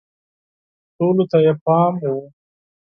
ټولو ته یې پام و